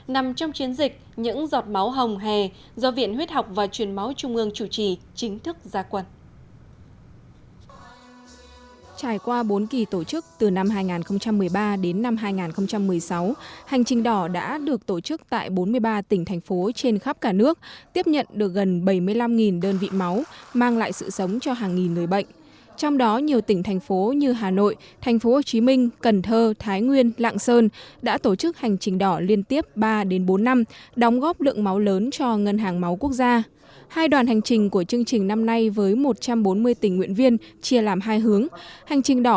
nằm trong chiến dịch những giọt máu hồng hề do viện huyết học và truyền máu trung ương chủ trì chính thức ra quần